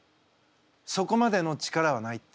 そこまでの力はないって。